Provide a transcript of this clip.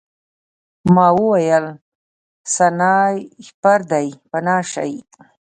ما وویل سنایپر دی پناه شئ